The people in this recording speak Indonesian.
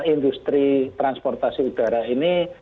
industri transportasi udara ini